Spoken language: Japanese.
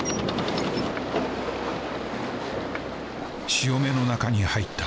潮目の中に入った。